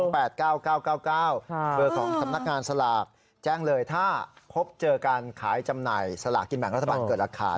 เบอร์ของสำนักงานสลากแจ้งเลยถ้าพบเจอการขายจำหน่ายสลากกินแบ่งรัฐบาลเกิดราคา